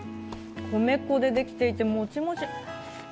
米粉でできていて、もちもち。